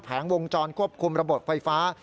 วงจรควบคุมระบบไฟฟ้า